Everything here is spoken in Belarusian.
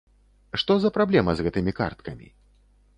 Што за праблема з гэтымі карткамі?